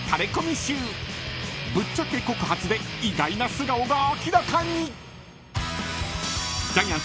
［ぶっちゃけ告発で意外な素顔が明らかに］